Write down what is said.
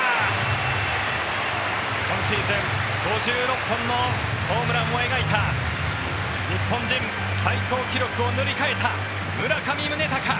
今シーズン５６本のホームランを描いた日本人最高記録を塗り替えた村上宗隆